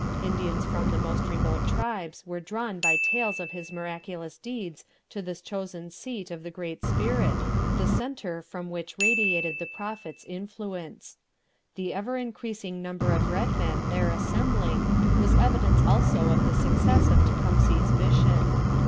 Indians from the most remote tribes were drawn by tales of his miraculous deeds to this chosen seat of the Great Spirit, the centre from which radiated the Prophet's influence. The ever increasing number of red men there assembling was evidence also of the success of Tecumseh's mission.